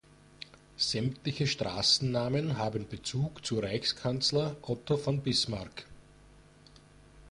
Sämtliche Straßennamen haben Bezug zu Reichskanzler Otto von Bismarck.